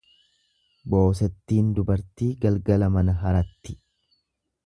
Boosettiin dubartii galgala mana haratti.